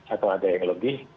atau ada yang lebih